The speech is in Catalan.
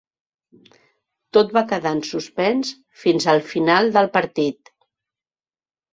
Tot va quedar en suspens fins al final del partit.